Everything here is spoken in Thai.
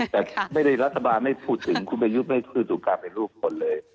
แต่ไม่ได้รัฐบาลไม่พูดถึงคุณประยุทธ์ไม่พูดสู่การเป็นลูกคนเลย